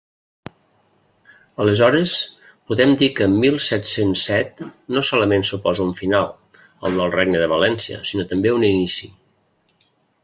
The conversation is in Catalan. Aleshores podem dir que mil set-cents set no solament suposa un final, el del regne de València, sinó també un inici.